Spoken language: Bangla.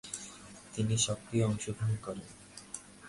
তিনি সক্রিয় অংশগ্রহণ করেন।